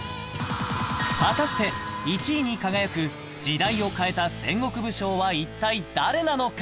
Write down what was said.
果たして１位に輝く時代を変えた戦国武将は一体誰なのか？